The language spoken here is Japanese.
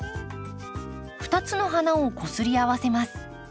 ２つの花をこすり合わせます。